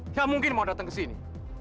ya mungkin mau datang ke sini